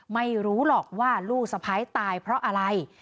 ไม่รู้หรอกว่าลูกสะพ้ายตายเพราะอะไร